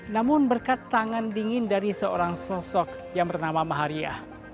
namun berkat tangan dingin dari seorang sosok yang bernama mahariah